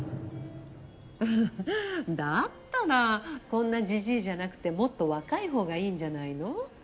だったらこんなジジイじゃなくてもっと若い方がいいんじゃないの？